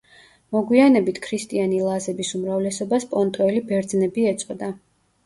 მოგვიანებით ქრისტიანი ლაზების უმრავლესობას პონტოელი ბერძნები ეწოდა.